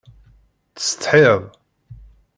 Ttsetḥiɣ.